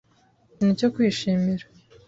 Nta kintu cyo kwishimira.